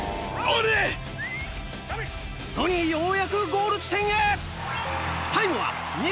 ロニーようやくゴール地点へ。